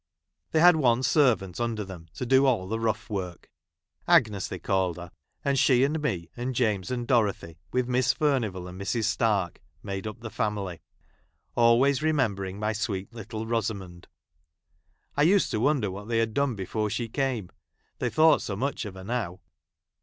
They had one 1 servant under them, to do all the rough work. i Agnes they called her ; and she and me, aud James and Dorothy, with Miss Fiu'uivall and ' Mrs. Stark, made up the family ; always li remembering my sweet little Miss Rosamond !' I used to wonder what they had done before she came, they thought so much of her now.